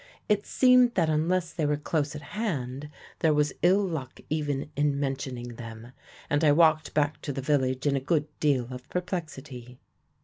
It seemed that unless they were close at hand there was ill luck even in mentioning them, and I walked back to the village in a good deal of perplexity.